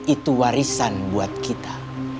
itu warisan buat kita